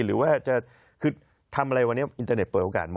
หรือว่าจะคือทำอะไรวันนี้อินเทอร์เน็ตเปิดโอกาสหมด